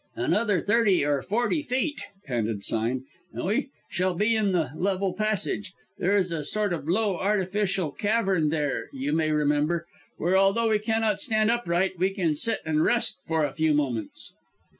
"Another thirty or forty feet," panted Sime, "and we shall be in the level passage. There is a sort of low, artificial cavern there, you may remember, where, although we cannot stand upright, we can sit and rest for a few moments."